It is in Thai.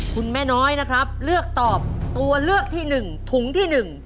คุณแม่น้อยนะครับเลือกตอบตัวเลือกที่๑ถุงที่๑